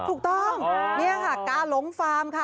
ถูกต้องนี่ค่ะกาหลงฟาร์มค่ะ